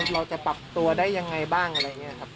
เราจะปรับตัวได้ยังไงบ้างอะไรอย่างนี้ครับ